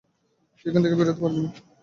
তুই এখান থেকে বেরোতে পারবি না।